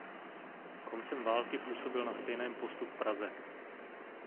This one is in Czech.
Koncem války působil na stejném postu v Praze.